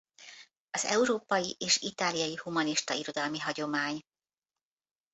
Az európai és itáliai humanista irodalmi hagyomány.